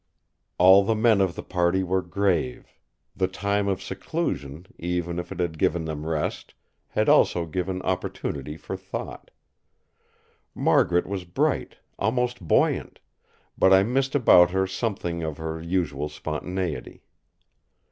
All the men of the party were grave; the time of seclusion, even if it had given them rest, had also given opportunity for thought. Margaret was bright, almost buoyant; but I missed about her something of her usual spontaneity.